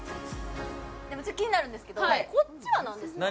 めっちゃ気になるんですけどこっちは何ですか？